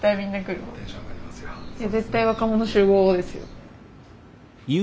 絶対若者集合ですよ。